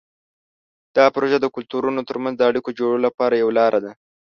دا پروژه د کلتورونو ترمنځ د اړیکو جوړولو لپاره یوه لاره ده.